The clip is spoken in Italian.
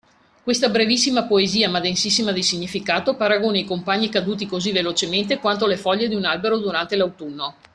Questa brevissima poesia ma densissima di significato paragona i compagni caduti così velocemente quanto le foglie di un albero durante l'autunno.